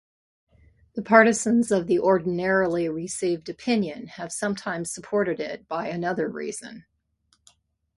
The partisans of the ordinarily received opinion have sometimes supported it by another reason.